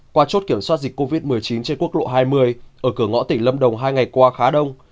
qua chốt kiểm soát dịch covid một mươi chín trên quốc lộ hai mươi ở cửa ngõ tỉnh lâm đồng hai ngày qua khá đông